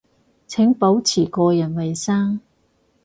請保持個人衛生